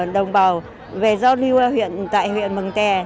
đồng bào về giao lưu tại huyện mường tè